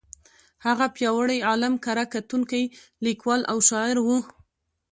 هغه پیاوړی عالم، کره کتونکی، لیکوال او شاعر و.